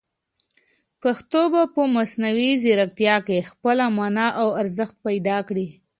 پښتو به په مصنوعي ځیرکتیا کې خپله مانا او ارزښت پیدا کړي.